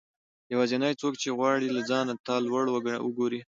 يوازنی څوک چې غواړي له ځانه تا لوړ وګورئ